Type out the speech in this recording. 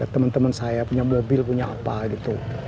teman teman saya punya mobil punya apa gitu